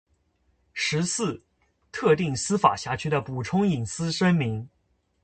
十四、特定司法辖区的补充隐私声明